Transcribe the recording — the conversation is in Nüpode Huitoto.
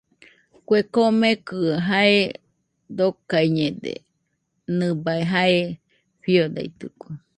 Kue komekɨ jae dokaiñede, nɨbai jae fiodaitɨkue.